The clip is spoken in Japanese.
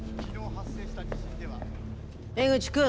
江口君。